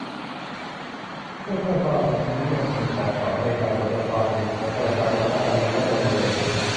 เพื่อเพิ่มความนิยมของเขาในการสำรวจความคิดเห็นของประชาชนนักการเมืองเริ่มรณรงค์